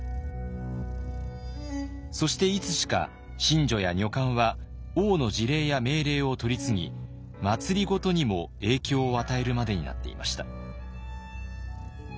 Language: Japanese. そしていつしか神女や女官は王の辞令や命令を取り次ぎ政にも影響を与えるまでになっていました。